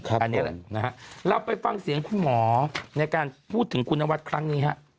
อันนี้แหละนะฮะเราไปฟังเสียงคุณหมอในการพูดถึงคุณนวัดครั้งนี้ฮะ